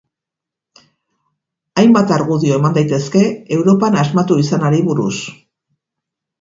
Hainbat argudio eman daitezke Europan asmatu izanari buruz.